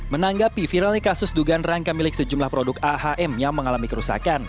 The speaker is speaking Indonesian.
menanggapi viralnya kasus dugaan rangka milik sejumlah produk ahm yang mengalami kerusakan